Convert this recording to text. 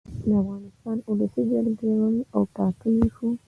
د افغانستان د اولسي جرګې غړی اوټاکلی شو